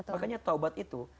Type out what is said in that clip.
makanya taubat itu